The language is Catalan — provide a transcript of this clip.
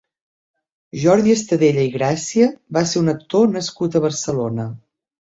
Jordi Estadella i Gràcia va ser un actor nascut a Barcelona.